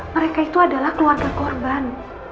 mereka itu adalah keluarga korban